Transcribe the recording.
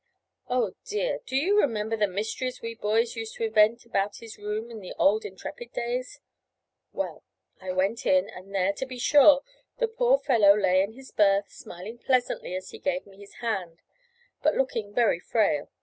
Oh, dear! do you remember the mysteries we boys used to invent about his room in the old Intrepid days? Well, I went in, and there, to be sure, the poor fellow lay in his berth, smiling pleasantly as he gave me his hand, but looking very frail.